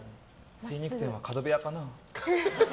精肉店は角部屋かな。